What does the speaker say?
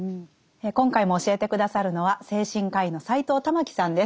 今回も教えて下さるのは精神科医の斎藤環さんです。